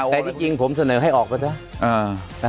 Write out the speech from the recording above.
แต่ที่จริงผมเสนอให้ออกไปซะ